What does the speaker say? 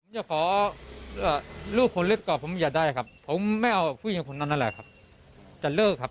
จะขอลูกคนเล็กก่อนผมอย่าได้ครับผมไม่เอาผู้หญิงคนนั้นนั่นแหละครับจะเลิกครับ